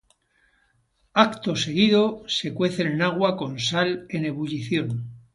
Acto seguido se cuecen en agua con sal en ebullición.